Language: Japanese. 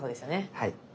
はい。